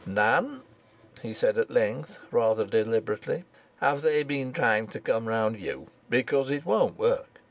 "Nan," he said at length, rather deliberately, "have they been trying to come round you? Because it won't work.